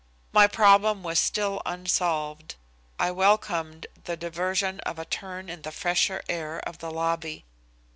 My problem was still unsolved. I welcomed the diversion of a turn in the fresher aid of the lobby.